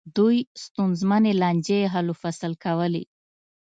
دوی ستونزمنې لانجې حل و فصل کولې.